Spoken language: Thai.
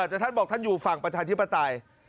แต่ท่านบอกท่านอยู่ฝั่งประชาธิปไตย